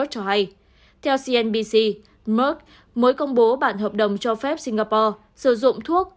theo cnbc murd mới công bố bản hợp đồng cho phép singapore sử dụng thuốc